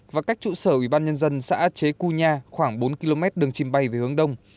và cách trụ sở ủy ban nhân dân xã chế cua nha khoảng bốn km đường chìm bay về hướng đông